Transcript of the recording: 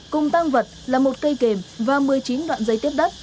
cùng tăng vật là một cây kềm và một mươi chín đoạn dây tiếp đất